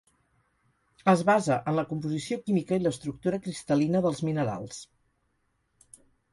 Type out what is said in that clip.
Es basa en la composició química i l'estructura cristal·lina dels minerals.